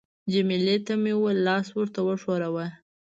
جميله ته مې وویل: لاس ورته وښوروه.